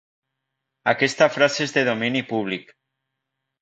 Aquesta frase és de domini públic.